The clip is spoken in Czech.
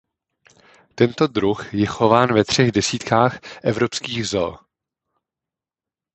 Tento druh je chován ve třech desítkách evropských zoo.